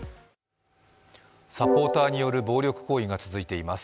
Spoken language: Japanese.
サポーターによる暴力行為が続いています。